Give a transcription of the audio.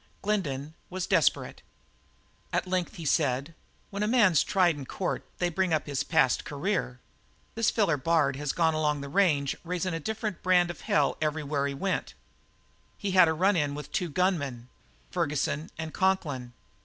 Glendin was desperate. He said at length: "When a man's tried in court they bring up his past career. This feller Bard has gone along the range raisin' a different brand of hell everywhere he went. He had a run in with two gunmen, Ferguson and Conklin.